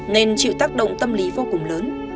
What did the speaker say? nên chịu tác động tâm lý vô cùng lớn